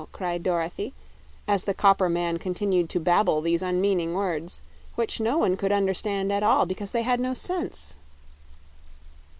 cried Dorothy, as the copper man continued to babble these unmeaning words, which no one could understand at all because they had no sense.